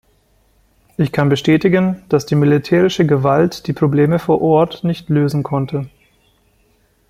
Ich kann bestätigen, dass die militärische Gewalt die Probleme vor Ort nicht lösen konnte.